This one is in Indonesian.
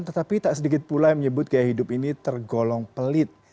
tetapi tak sedikit pula yang menyebut gaya hidup ini tergolong pelit